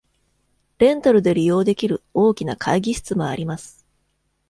レンタルで利用できる大きな会議室もあります。